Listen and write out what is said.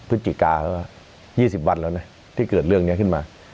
พฤศจิกาแล้ว๒๐วันแล้วนะที่เกิดเรื่องนี้ขึ้นมา